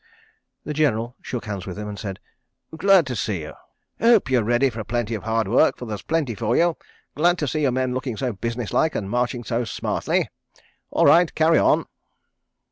The General shook hands with him, and said: "Glad to see you. Hope you're ready for plenty of hard work, for there's plenty for you. .. Glad to see your men looking so businesslike and marching so smartly. ... All right—carry on.